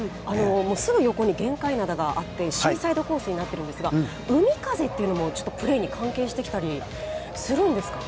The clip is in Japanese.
すぐ横に玄界灘があって、シーサイドコースになっているんですが、海風というのもプレーに関係してきたりするんですかね。